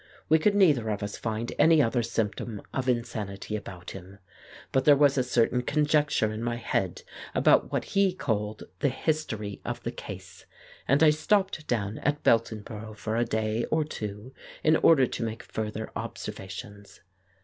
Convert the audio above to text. We could neither of us find any other symptom of insanity about him. But there was a certain conjecture in my head about what we call the history of the case, and I stopped down at Beltonborough for a day or two in order to make further observations.